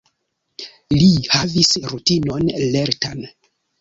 Li havis rutinon lertan.